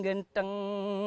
saya akan menang